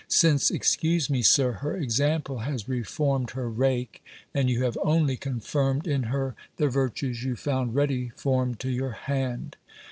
Since, excuse me, Sir, her example has reformed her rake; and you have only confirmed in her the virtues you found ready formed to your hand."